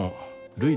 るい。